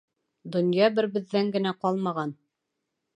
Донъя бер беҙҙән генә ҡалмаған.